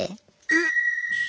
えっ！